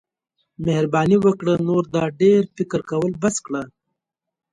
مهرباني وکړه نور دا ډیر فکر کول بس کړه.